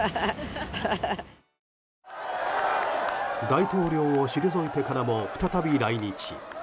大統領を退いてからも再び来日。